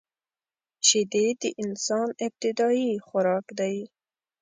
شیدې د انسان ابتدايي خوراک دی